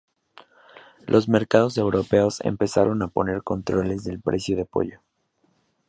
Los mercados europeos empezaron a poner controles de precio del pollo.